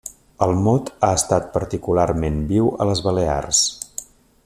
El mot ha estat particularment viu a les Balears.